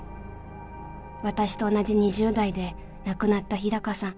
私と同じ２０代で亡くなった日高さん。